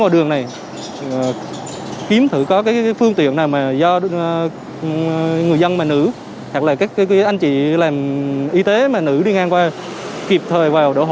đặc biệt là tinh thần ai ở đâu ở đó